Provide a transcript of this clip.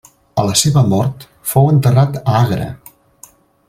A la seva mort fou enterrat a Agra.